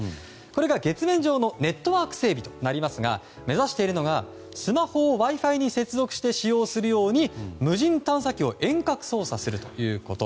これが月面上のネットワーク整備となりますが目指しているのがスマホをＷｉ‐Ｆｉに接続して使用するように無人探査機を遠隔操作するということ。